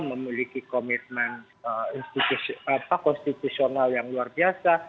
memiliki komitmen konstitusional yang luar biasa